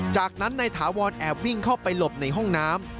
จากนั้นนายถาวรแอบวิ่งเข้าไปหลบในห้องน้ำ